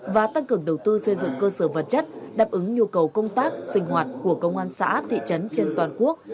và tăng cường đầu tư xây dựng cơ sở vật chất đáp ứng nhu cầu công tác sinh hoạt của công an xã thị trấn trên toàn quốc